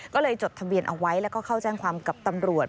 ก็เลยจดทะเบียนเอาไว้แล้วก็เข้าแจ้งความกับตำรวจ